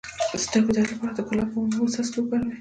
د سترګو د درد لپاره د ګلاب او اوبو څاڅکي وکاروئ